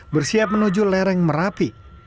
bersiap menuju lereng merapi